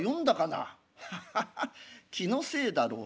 ハハハッ気のせいだろう」。